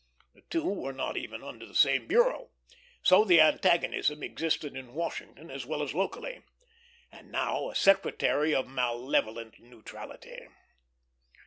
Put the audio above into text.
The two were not even under the same bureau, so the antagonism existed in Washington as well as locally; and now a Secretary of malevolent neutrality.